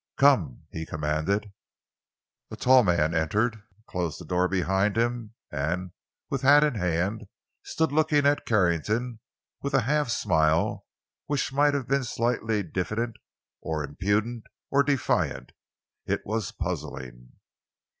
"Come!" he commanded. A tall man entered, closed the door behind him and with hat in hand stood looking at Carrington with a half smile which might have been slightly diffident, or impudent or defiant—it was puzzling.